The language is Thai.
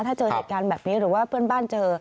ถ้าเจอเหตุการณ์แบบนี้หรือว่าเพื่อนบ้านเจอ